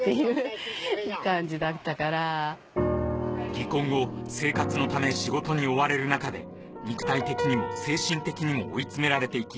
離婚後生活のため仕事に追われる中で肉体的にも精神的にも追い詰められていき